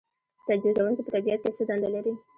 تجزیه کوونکي په طبیعت کې څه دنده لري